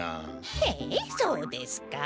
へえそうですか？